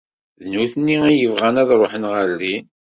D nutni i yebɣan ad ruḥen ɣer din.